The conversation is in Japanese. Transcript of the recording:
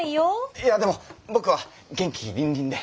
いやでも僕は元気りんりんで。